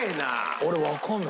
俺わかんない。